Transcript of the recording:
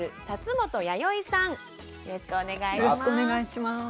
よろしくお願いします。